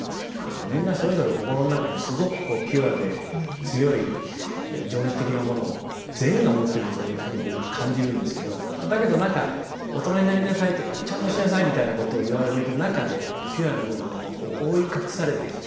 みんなそれぞれ心の中にすごくこうピュアで強い情熱的なものを全員がもってるというふうに僕感じるんですけどだけどなんか大人になりなさいとかちゃんとしなさいみたいなことをいわれる中でピュアな部分をこう覆い隠されてきて。